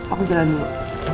aku jalan dulu